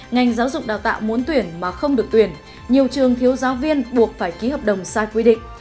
ngành giáo dục đào tạo muốn tuyển mà không được tuyển nhiều trường thiếu giáo viên buộc phải ký hợp đồng sai quy định